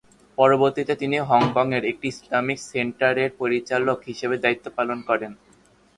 পরবর্তীতে তিনি হংকংয়ের একটি ইসলামিক সেন্টার এর পরিচালক হিসেবে দায়িত্ব পালন করেন।